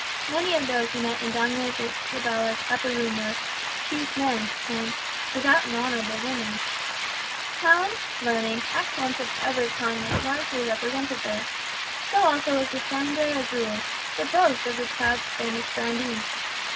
Many of those who met in Doña Isabella's upper room were "chief men" and "devout and honourable women." Talent, learning, excellence of every kind was largely represented there; so also was the sangre azul, the boast of the proud Spanish grandees.